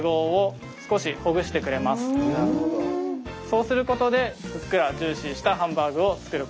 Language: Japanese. そうすることでふっくらジューシーしたハンバーグを作ることができます。